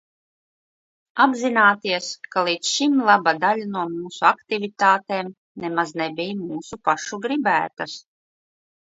Apzināties, ka līdz šim laba daļa no mūsu aktivitātēm nemaz nebija mūsu pašu gribētas.